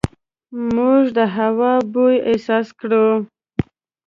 موږ د هوا بوی احساس کړو.